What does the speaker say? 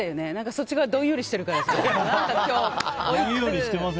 そっち側、どんよりしてるからさ。